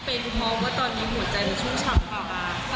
เป็นทุนมีความมอบว่าตอนนี้หัวใจจะชุ่มชัดค่ะ